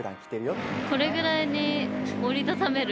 これぐらいに。